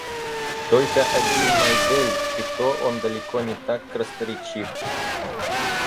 Только один Майдель, и то он далеко не так красноречив.